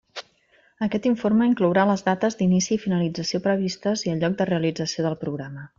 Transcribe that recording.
Aquest informe inclourà les dates d'inici i finalització previstes i el lloc de realització del programa.